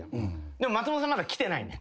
でも松本さんまだ来てないねん。